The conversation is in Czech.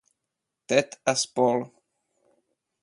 Ted a spol.